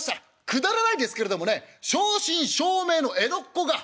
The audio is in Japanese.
くだらないですけれどもね正真正銘の江戸っ子が。